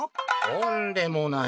「とんでもない！